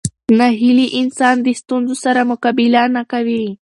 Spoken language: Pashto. ناهیلي انسان د ستونزو سره مقابله نه کوي.